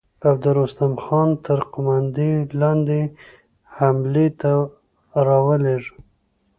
او د رستم خان تر قوماندې لاندې يې حملې ته را ولېږه.